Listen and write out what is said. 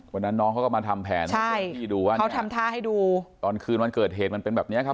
วันนั้นน้องเขาก็มาทำแผนให้คุณพี่ดูว่าเขาทำท่าให้ดูตอนคืนวันเกิดเหตุมันเป็นแบบเนี้ยครับ